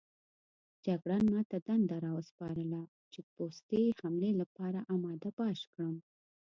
جګړن ما ته دنده راوسپارله چې پوستې د حملې لپاره اماده باش کړم.